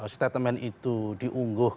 statement itu diungguh